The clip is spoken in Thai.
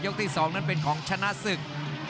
ที่๒นั้นเป็นของชนะศึก